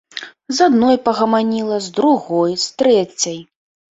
З адной пагаманіла, з другой, з трэцяй.